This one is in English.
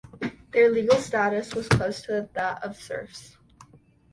Their legal status was close to that of serfs.